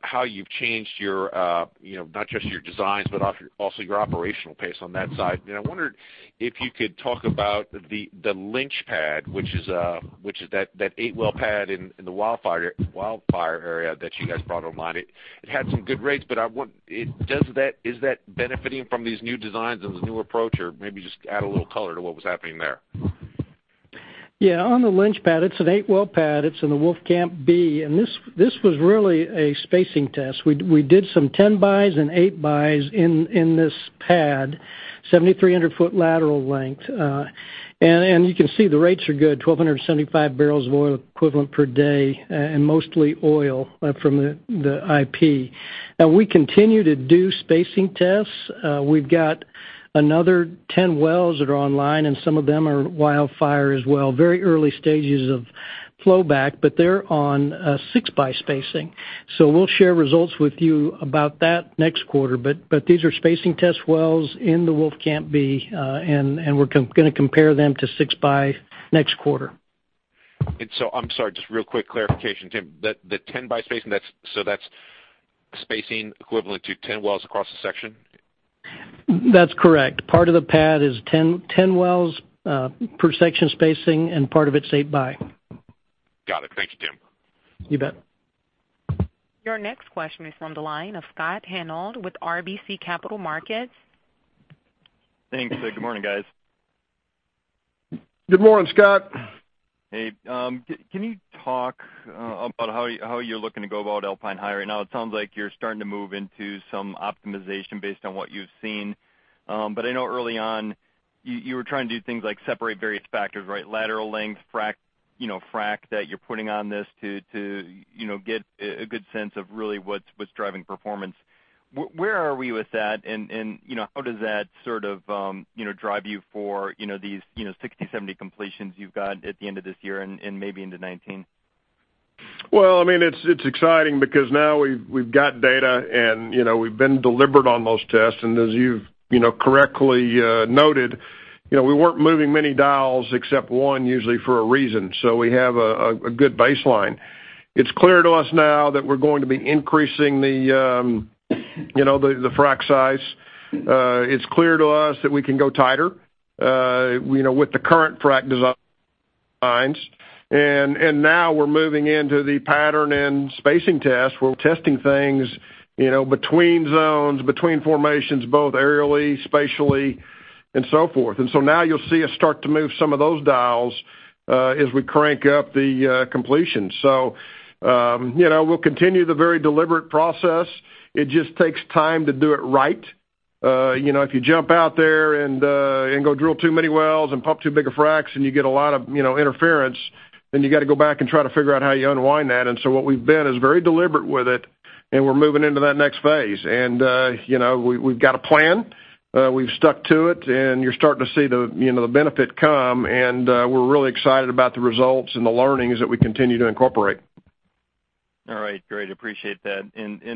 how you've changed not just your designs, but also your operational pace on that side. I wondered if you could talk about the Lynch pad, which is that eight-well pad in the Wildfire area that you guys brought online. It had some good rates. Is that benefiting from these new designs and this new approach? Maybe just add a little color to what was happening there. Yeah. On the Lynch pad, it's an eight-well pad. It's in the Wolfcamp B. This was really a spacing test. We did some 10 bys and 8 bys in this pad, 7,300-foot lateral length. You can see the rates are good, 1,275 barrels of oil equivalent per day, and mostly oil from the IP. We continue to do spacing tests. We've got another 10 wells that are online, and some of them are Wildfire as well. Very early stages of flowback, but they're on a 6-by spacing. We'll share results with you about that next quarter. These are spacing test wells in the Wolfcamp B, and we're going to compare them to 6 by next quarter. I'm sorry, just real quick clarification, Tim. The 10 by spacing, that's spacing equivalent to 10 wells across the section? That's correct. Part of the pad is 10 wells per section spacing, and part of it's 8 by. Got it. Thank you, Tim. You bet. Your next question is on the line of Scott Hanold with RBC Capital Markets. Thanks. Good morning, guys. Good morning, Scott. Hey. Can you talk about how you're looking to go about Alpine High right now? It sounds like you're starting to move into some optimization based on what you've seen. I know early on you were trying to do things like separate various factors, right? Lateral length, frack that you're putting on this to get a good sense of really what's driving performance. Where are we with that, and how does that sort of drive you for these 60, 70 completions you've got at the end of this year and maybe into 2019? Well, it's exciting because now we've got data. We've been deliberate on those tests. As you've correctly noted, we weren't moving many dials except one usually for a reason. We have a good baseline. It's clear to us now that we're going to be increasing the frack size. It's clear to us that we can go tighter with the current frack designs. Now we're moving into the pattern and spacing test where we're testing things between zones, between formations, both aerially, spatially, and so forth. Now you'll see us start to move some of those dials as we crank up the completion. We'll continue the very deliberate process. It just takes time to do it right. If you jump out there and go drill too many wells and pump too big a fracks and you get a lot of interference, then you got to go back and try to figure out how you unwind that. What we've been is very deliberate with it, and we're moving into that next phase. We've got a plan. We've stuck to it, and you're starting to see the benefit come, and we're really excited about the results and the learnings that we continue to incorporate. All right, great. Appreciate that.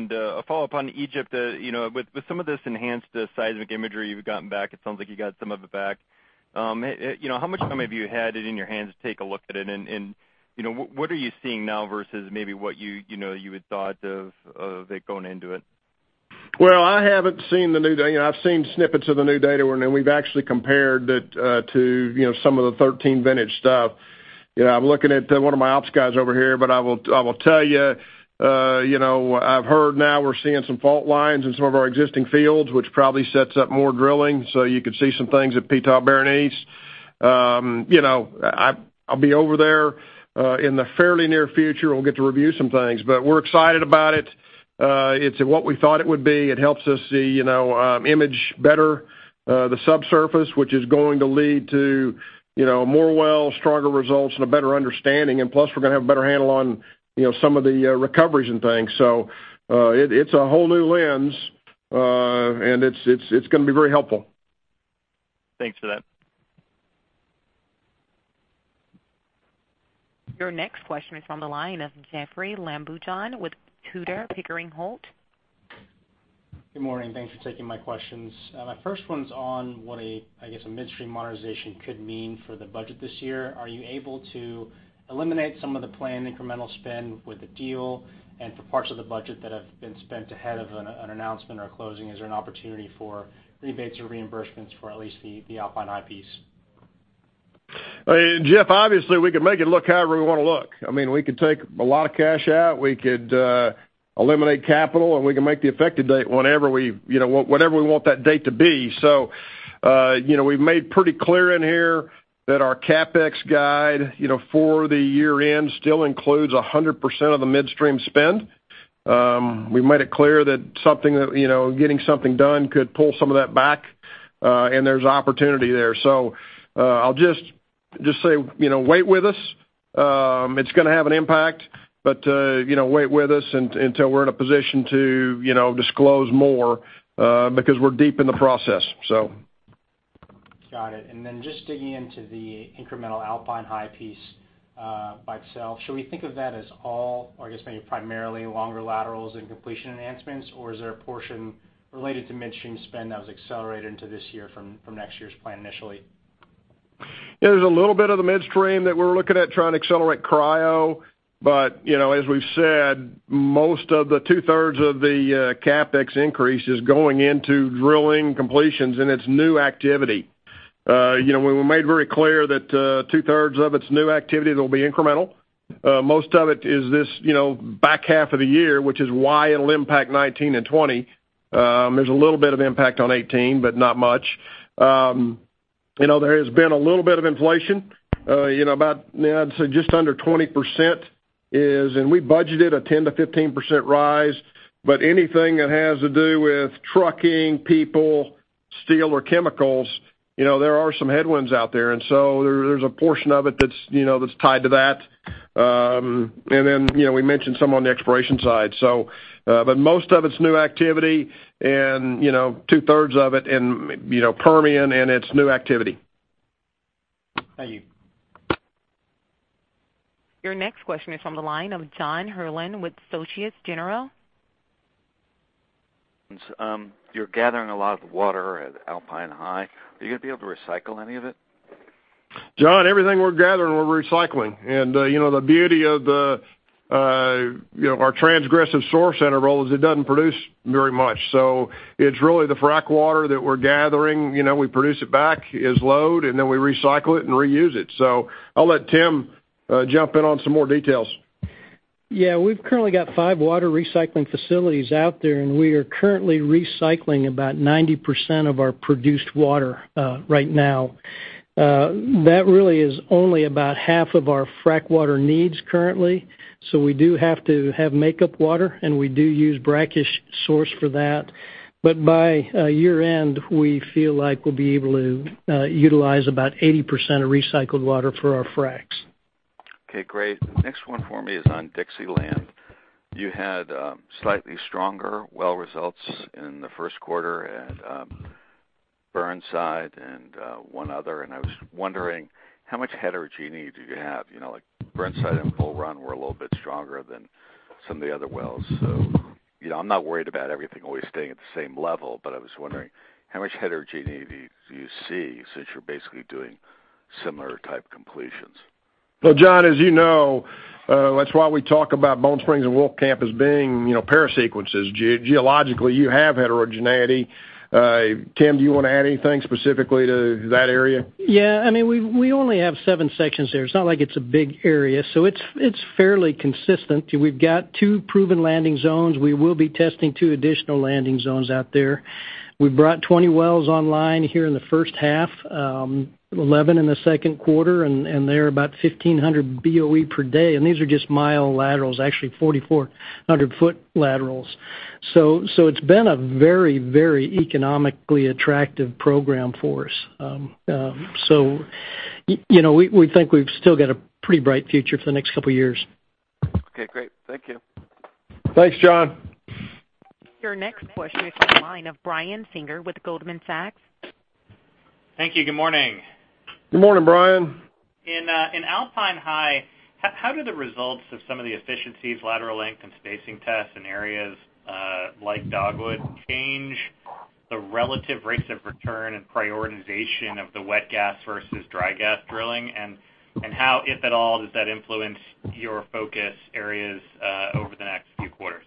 A follow-up on Egypt. With some of this enhanced seismic imagery you've gotten back, it sounds like you got some of it back. How much of it have you had it in your hands to take a look at it, and what are you seeing now versus maybe what you had thought of it going into it? Well, I've seen snippets of the new data, and then we've actually compared it to some of the '13 vintage stuff. I'm looking at one of my ops guys over here, but I will tell you, I've heard now we're seeing some fault lines in some of our existing fields, which probably sets up more drilling. You could see some things at Ptah and Berene. I'll be over there, in the fairly near future, we'll get to review some things. We're excited about it. It's what we thought it would be. It helps us see image better, the subsurface, which is going to lead to more wells, stronger results, and a better understanding. Plus, we're going to have a better handle on some of the recoveries and things. It's a whole new lens, and it's going to be very helpful. Thanks for that. Your next question is on the line of Jeoffrey Lambujon with Tudor, Pickering, Holt. Good morning. Thanks for taking my questions. My first one's on what a, I guess, a midstream monetization could mean for the budget this year. Are you able to eliminate some of the planned incremental spend with the deal? For parts of the budget that have been spent ahead of an announcement or a closing, is there an opportunity for rebates or reimbursements for at least the Alpine High piece? Jeff, obviously we could make it look however we want to look. I mean, we could take a lot of cash out. We could eliminate capital. We can make the effective date whenever we want that date to be. We've made pretty clear in here that our CapEx guide for the year-end still includes 100% of the midstream spend. We made it clear that getting something done could pull some of that back, and there's opportunity there. I'll just say wait with us. It's going to have an impact, but wait with us until we're in a position to disclose more, because we're deep in the process. Got it. Just digging into the incremental Alpine High piece by itself, should we think of that as all or I guess maybe primarily longer laterals and completion enhancements? Or is there a portion related to midstream spend that was accelerated into this year from next year's plan initially? There's a little bit of the midstream that we're looking at trying to accelerate cryo. As we've said, most of the two-thirds of the CapEx increase is going into drilling completions. It's new activity. We made very clear that two-thirds of its new activity that will be incremental. Most of it is this back half of the year, which is why it'll impact 2019 and 2020. There's a little bit of impact on 2018, not much. There has been a little bit of inflation, about I'd say just under 20%. We budgeted a 10%-15% rise. Anything that has to do with trucking, people, steel, or chemicals, there are some headwinds out there. There's a portion of it that's tied to that. We mentioned some on the exploration side. Most of it's new activity and two-thirds of it in Permian. It's new activity. Thank you. Your next question is on the line of John Herrlin with Societe Generale. You're gathering a lot of water at Alpine High. Are you going to be able to recycle any of it? John, everything we're gathering, we're recycling. The beauty of our transgressive source interval is it doesn't produce very much. It's really the frack water that we're gathering. We produce it back as load, then we recycle it and reuse it. I'll let Tim jump in on some more details. Yeah. We've currently got five water recycling facilities out there, and we are currently recycling about 90% of our produced water right now. That really is only about half of our frack water needs currently. We do have to have makeup water, and we do use brackish source for that. By year-end, we feel like we'll be able to utilize about 80% of recycled water for our fracs. Okay, great. Next one for me is on Dixieland. You had slightly stronger well results in the first quarter at Burnside and one other, and I was wondering how much heterogeneity do you have? Like Burnside and Bull Run were a little bit stronger than some of the other wells. I'm not worried about everything always staying at the same level, but I was wondering how much heterogeneity do you see since you're basically doing similar type completions? Well, John, as you know, that's why we talk about Bone Spring and Wolfcamp as being parasequences. Geologically, you have heterogeneity. Tim, do you want to add anything specifically to that area? Yeah. I mean, we only have seven sections there. It's not like it's a big area. It's fairly consistent. We've got two proven landing zones. We will be testing two additional landing zones out there. We brought 20 wells online here in the first half, 11 in the second quarter, and they're about 1,500 BOE per day. These are just mile laterals, actually 4,400-foot laterals. It's been a very economically attractive program for us. We think we've still got a pretty bright future for the next couple of years. Okay, great. Thank you. Thanks, John. Your next question is on the line of Brian Singer with Goldman Sachs. Thank you. Good morning. Good morning, Brian. In Alpine High, how do the results of some of the efficiencies, lateral length, and spacing tests in areas like Dogwood change the relative rates of return and prioritization of the wet gas versus dry gas drilling? How, if at all, does that influence your focus areas over the next few quarters?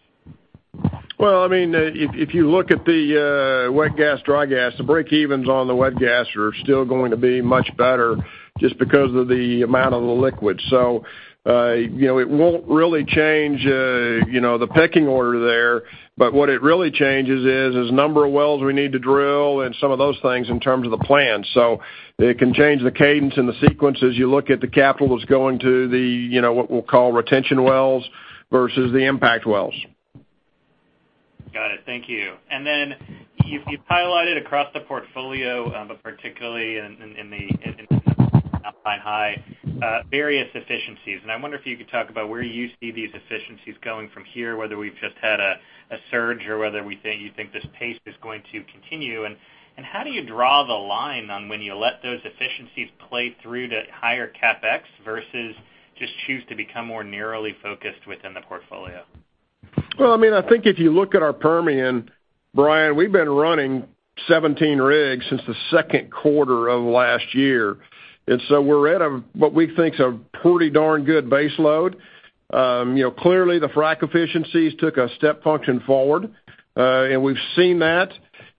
If you look at the wet gas, dry gas, the breakevens on the wet gas are still going to be much better just because of the amount of the liquid. It won't really change the pecking order there. What it really changes is the number of wells we need to drill and some of those things in terms of the plan. It can change the cadence and the sequence as you look at the capital that's going to what we'll call retention wells versus the impact wells. Got it. Thank you. Then you've highlighted across the portfolio, but particularly in the Alpine High various efficiencies, and I wonder if you could talk about where you see these efficiencies going from here, whether we've just had a surge or whether you think this pace is going to continue. How do you draw the line on when you let those efficiencies play through to higher CapEx versus just choose to become more narrowly focused within the portfolio? I think if you look at our Permian, Brian, we've been running 17 rigs since the second quarter of last year. We're at what we think is a pretty darn good base load. Clearly, the frack efficiencies took a step function forward. We've seen that.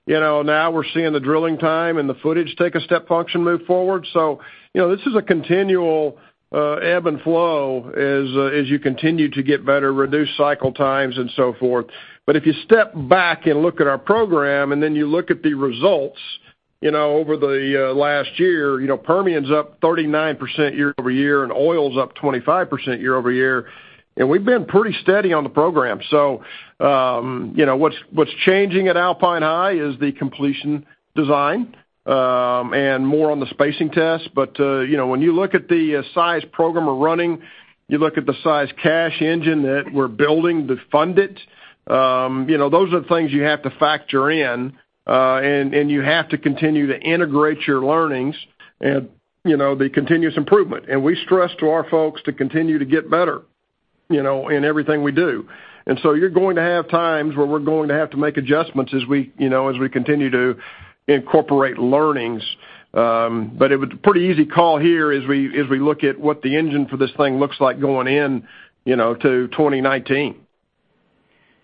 Now we're seeing the drilling time and the footage take a step function move forward. This is a continual ebb and flow as you continue to get better, reduce cycle times, and so forth. If you step back and look at our program, then you look at the results over the last year, Permian's up 39% year-over-year, and oil's up 25% year-over-year. We've been pretty steady on the program. What's changing at Alpine High is the completion design, and more on the spacing test. When you look at the size program we're running, you look at the size cash engine that we're building to fund it, those are the things you have to factor in. You have to continue to integrate your learnings and the continuous improvement. We stress to our folks to continue to get better in everything we do. You're going to have times where we're going to have to make adjustments as we continue to incorporate learnings. It was a pretty easy call here as we look at what the engine for this thing looks like going in to 2019.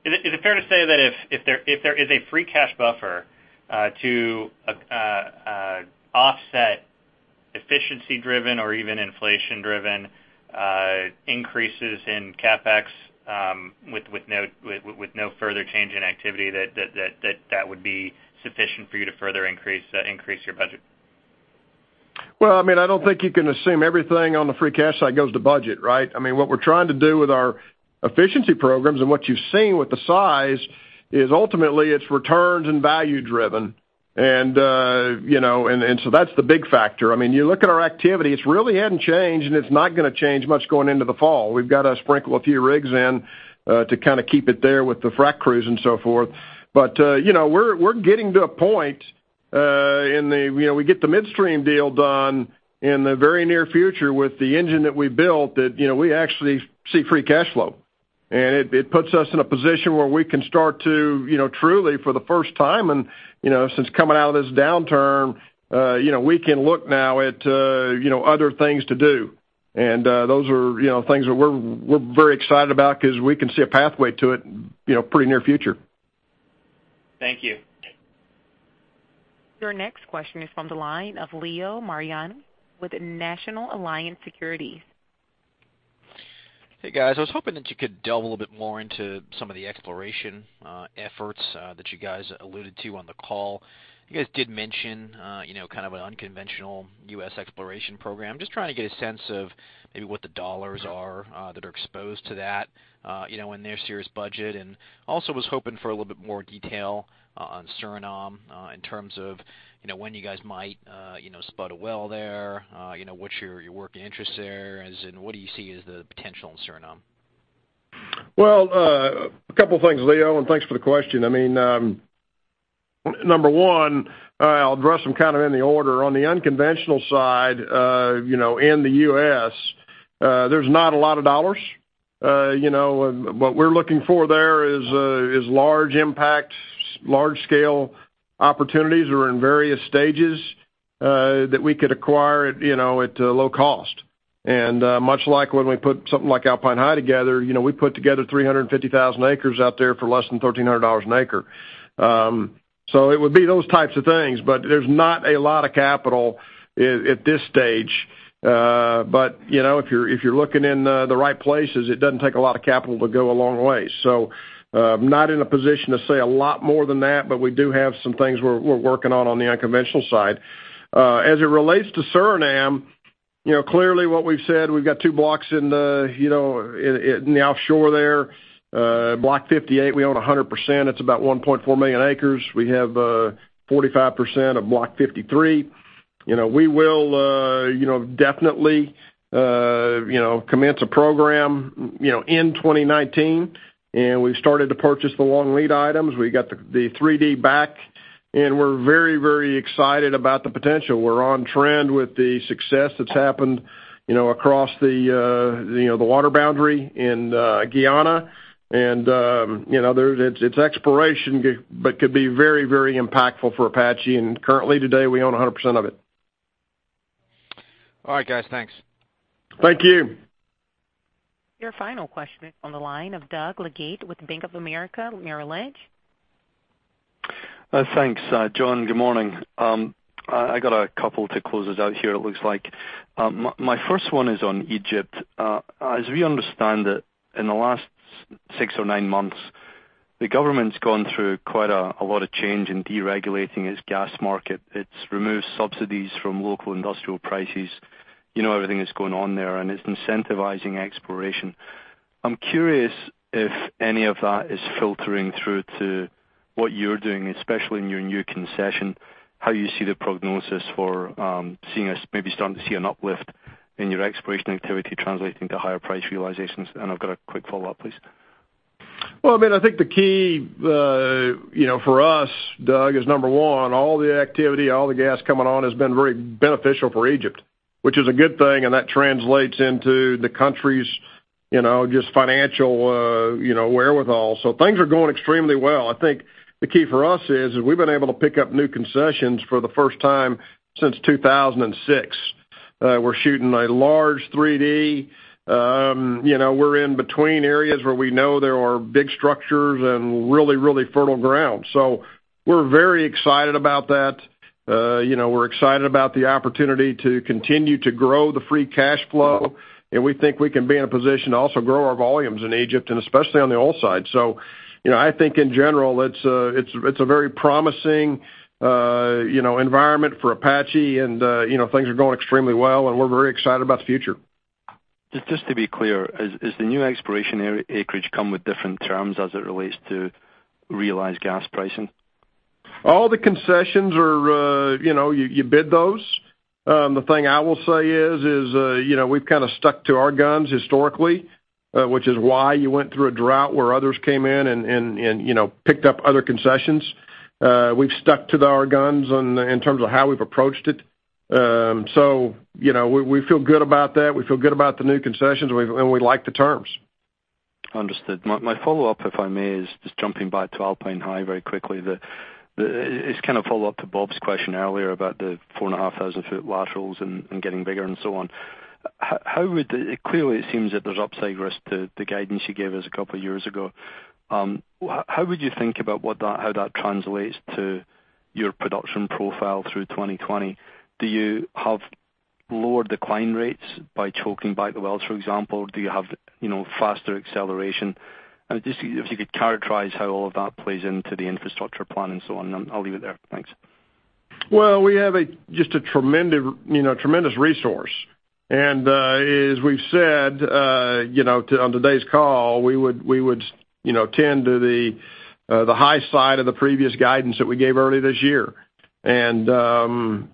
Is it fair to say that if there is a free cash buffer to offset efficiency-driven or even inflation-driven increases in CapEx, with no further change in activity, that that would be sufficient for you to further increase your budget? I don't think you can assume everything on the free cash side goes to budget, right? What we're trying to do with our efficiency programs, and what you've seen with the size is ultimately it's returns and value driven. That's the big factor. You look at our activity, it really hadn't changed, and it's not going to change much going into the fall. We've got to sprinkle a few rigs in to kind of keep it there with the frack crews and so forth. We're getting to a point, we get the midstream deal done in the very near future with the engine that we built, that we actually see free cash flow. It puts us in a position where we can start to truly, for the first time since coming out of this downturn, we can look now at other things to do. Those are things that we're very excited about because we can see a pathway to it pretty near future. Thank you. Your next question is from the line of Leo Mariani with National Alliance Securities. Hey, guys. I was hoping that you could delve a little bit more into some of the exploration efforts that you guys alluded to on the call. You guys did mention kind of an unconventional U.S. exploration program. Just trying to get a sense of maybe what the dollars are that are exposed to that in this year's budget. Also was hoping for a little bit more detail on Suriname, in terms of when you guys might spot a well there, what's your work interests there, and what do you see as the potential in Suriname? Well, a couple of things, Leo, and thanks for the question. Number one, I'll address them kind of in the order. On the unconventional side, in the U.S., there's not a lot of dollars. What we're looking for there is large impact, large scale opportunities that are in various stages that we could acquire at low cost. Much like when we put something like Alpine High together, we put together 350,000 acres out there for less than $1,300 an acre. It would be those types of things, but there's not a lot of capital at this stage. If you're looking in the right places, it doesn't take a lot of capital to go a long way. Not in a position to say a lot more than that, but we do have some things we're working on on the unconventional side. As it relates to Suriname, clearly what we've said, we've got two blocks in the offshore there. Block 58, we own 100%, it's about 1.4 million acres. We have 45% of Block 53. We will definitely commence a program in 2019, and we've started to purchase the long lead items. We got the 3D back. We're very, very excited about the potential. We're on trend with the success that's happened across the water boundary in Guyana, and it's exploration, but could be very, very impactful for Apache. Currently today, we own 100% of it. All right, guys. Thanks. Thank you. Your final question on the line of Douglas Leggate with Bank of America Merrill Lynch. Thanks, John. Good morning. I got a couple to close us out here, it looks like. My first one is on Egypt. As we understand it, in the last six or nine months, the government's gone through quite a lot of change in deregulating its gas market. It's removed subsidies from local industrial prices. Everything that's going on there, it's incentivizing exploration. I'm curious if any of that is filtering through to what you're doing, especially in your new concession, how you see the prognosis for seeing us maybe starting to see an uplift in your exploration activity translating to higher price realizations. I've got a quick follow-up, please. Well, I think the key for us, Doug, is number one, all the activity, all the gas coming on has been very beneficial for Egypt, which is a good thing, and that translates into the country's just financial wherewithal. Things are going extremely well. I think the key for us is, we've been able to pick up new concessions for the first time since 2006. We're shooting a large 3D. We're in between areas where we know there are big structures and really, really fertile ground. We're very excited about that. We're excited about the opportunity to continue to grow the free cash flow. We think we can be in a position to also grow our volumes in Egypt, and especially on the oil side. I think in general, it's a very promising environment for Apache and things are going extremely well, and we're very excited about the future. Just to be clear, has the new exploration acreage come with different terms as it relates to realized gas pricing? All the concessions, you bid those. The thing I will say is, we've kind of stuck to our guns historically, which is why you went through a drought where others came in and picked up other concessions. We've stuck to our guns in terms of how we've approached it. We feel good about that. We feel good about the new concessions, and we like the terms. Understood. My follow-up, if I may, is just jumping back to Alpine High very quickly. It's kind of a follow-up to Bob's question earlier about the four and half thousand foot laterals and getting bigger and so on. Clearly it seems that there's upside risk to the guidance you gave us a couple of years ago. How would you think about how that translates to your production profile through 2020? Do you have lower decline rates by choking back the wells, for example? Do you have faster acceleration? Just if you could characterize how all of that plays into the infrastructure plan and so on. I'll leave it there. Thanks. Well, we have just a tremendous resource. As we've said on today's call, we would tend to the high side of the previous guidance that we gave early this year. Clearly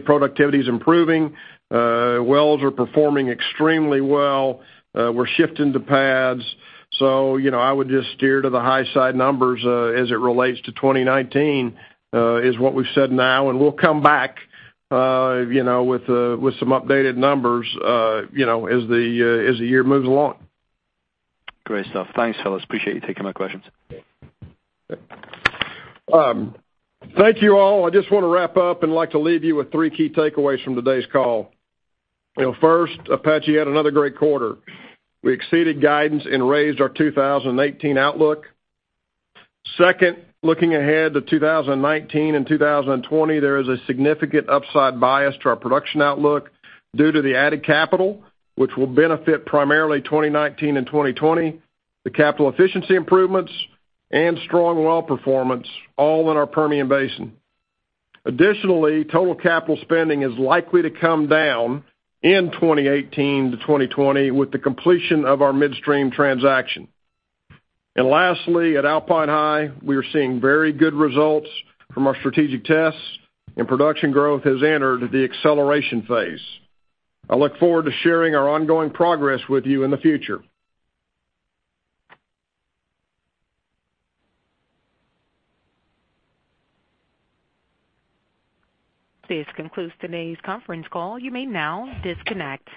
productivity's improving. Wells are performing extremely well. We're shifting to pads. I would just steer to the high side numbers, as it relates to 2019, is what we've said now. We'll come back with some updated numbers as the year moves along. Great stuff. Thanks, fellas. Appreciate you taking my questions. Thank you all. I just want to wrap up and like to leave you with three key takeaways from today's call. First, Apache had another great quarter. We exceeded guidance and raised our 2018 outlook. Second, looking ahead to 2019 and 2020, there is a significant upside bias to our production outlook due to the added capital, which will benefit primarily 2019 and 2020, the capital efficiency improvements, and strong well performance, all in our Permian Basin. Additionally, total capital spending is likely to come down in 2018 to 2020 with the completion of our midstream transaction. Lastly, at Alpine High, we are seeing very good results from our strategic tests and production growth has entered the acceleration phase. I look forward to sharing our ongoing progress with you in the future. This concludes today's conference call. You may now disconnect.